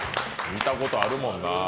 見たことあるもんなぁ。